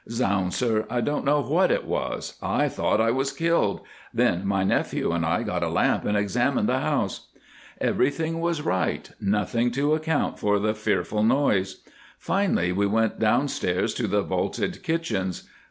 "Zounds, sir, I don't know what it was. I thought I was killed. Then my nephew and I got a lamp and examined the house. "Everything was right—nothing to account for the fearful noise. Finally, we went downstairs to the vaulted kitchens.